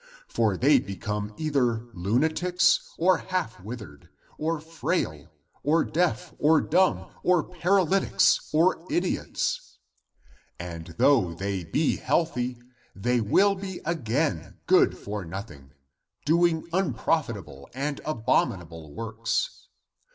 For they become either lunatics, or half withered, or frail, or deaf, or dumb, or paralytics, or idiots. And though the}^ be healthy, they will be again good for nothing, doing unprofitable and abominable works.